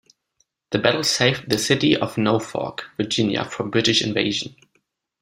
The battle saved the city of Norfolk, Virginia, from British invasion.